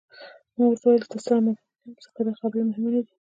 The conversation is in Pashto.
ما ورته وویل: ستاسي سره موافق یم، ځکه دا خبرې مهمې نه دي.